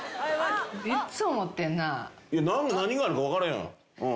何があるか分からへんやん。